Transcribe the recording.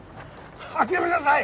諦めなさい！